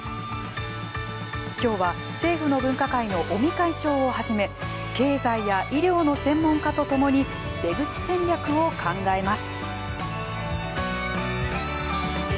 今日は、政府の分科会の尾身会長をはじめ経済や医療の専門家と共に出口戦略を考えます。